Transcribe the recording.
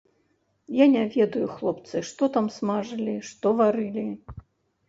Я не ведаю, хлопцы, што там смажылі, што варылі.